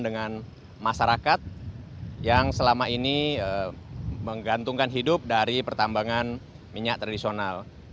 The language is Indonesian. dengan masyarakat yang selama ini menggantungkan hidup dari pertambangan minyak tradisional